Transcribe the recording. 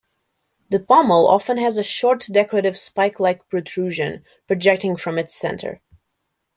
The pommel often has a short decorative spike-like protrusion projecting from its centre.